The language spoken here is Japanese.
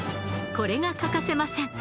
これが欠かせません。